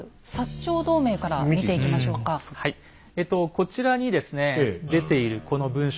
こちらにですね出ているこの文書。